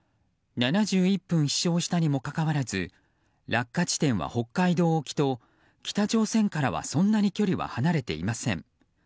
７１分飛翔したにもかかわらず落下地点は北海道沖と北朝鮮からはそんなに距離は離れていません。